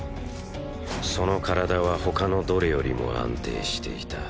その体は他のどれよりも安定していた。